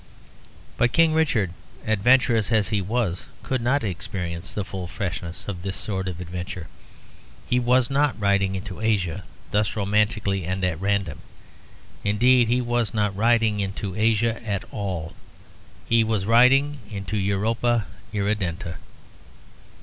But King Richard, adventurous as he was, could not experience the full freshness of this sort of adventure. He was not riding into Asia thus romantically and at random; indeed he was not riding into Asia at all. He was riding into Europa Irredenta.